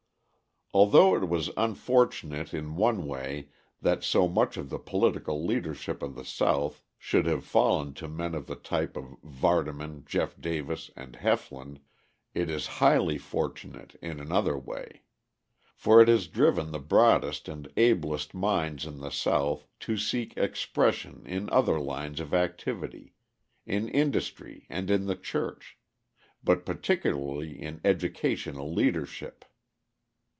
Although it was unfortunate in one way that so much of the political leadership of the South should have fallen to men of the type of Vardaman, Jeff Davis, and Heflin, it is highly fortunate in another way. For it has driven the broadest and ablest minds in the South to seek expression in other lines of activity, in industry and in the church, but particularly in educational leadership.